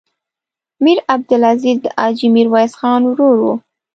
میر عبدالعزیز د حاجي میرویس خان ورور و.